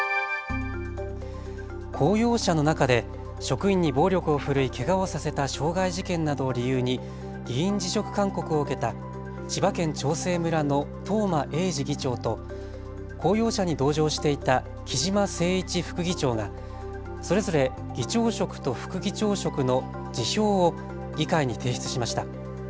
公用車の中で職員に暴力を振るいけがをさせた傷害事件などを理由に議員辞職勧告を受けた千葉県長生村の東間永次議長と公用車に同乗していた木嶋晴一副議長がそれぞれ議長職と副議長職の辞表を議会に提出しました。